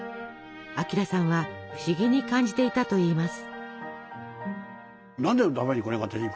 明さんは不思議に感じていたといいます。